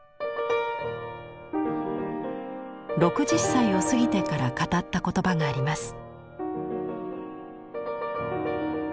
６０歳を過ぎてから語った言葉があります。